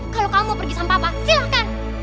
kalau kamu mau pergi sama papa silahkan